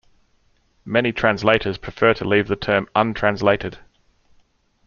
Many translators prefer to leave the term untranslated.